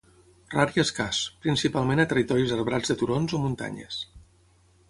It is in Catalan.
Rar i escàs, principalment a territoris arbrats de turons o muntanyes.